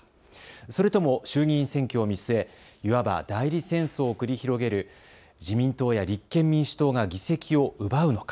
それとも衆議院選挙を見据えいわば代理戦争を繰り広げる自民党や立憲民主党が議席を奪うのか。